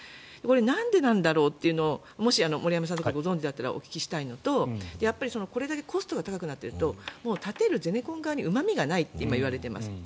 なんでなんだろうっていうのをもし森山さんとかご存じだったらお聞きしたいのとこれだけコストが高くなっているとゼネコン側にうまみがないといわれています。